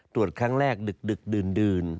ตรวจครั้งแรกดึกดื่น